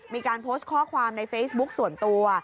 มีการโพสต์ข้อความในเฟซบุ๊คส่วนตัว